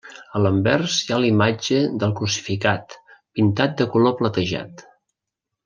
A l'anvers hi ha la imatge del crucificat, pintat de color platejat.